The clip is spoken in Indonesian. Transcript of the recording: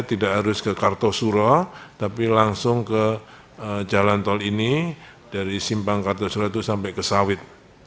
tidak harus ke kartosuro tapi langsung ke jalan tol ini dari simpang kartosura itu sampai ke sawit